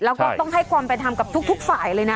แล้วก็ต้องให้ความเป็นธรรมกับทุกฝ่ายเลยนะ